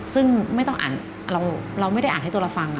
ซึ่งไม่ต้องอ่านเราไม่ได้อ่านให้ตัวเราฟัง